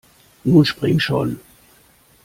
Nun spring schon!